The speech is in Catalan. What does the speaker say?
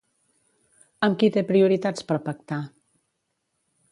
Amb qui té prioritats per pactar?